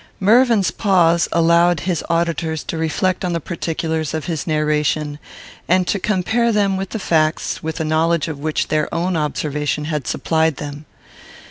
Mervyn's pause allowed his auditors to reflect on the particulars of his narration, and to compare them with the facts with a knowledge of which their own observation had supplied them.